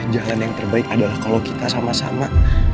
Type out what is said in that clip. jalan yang terbaik adalah kalau kita sama sama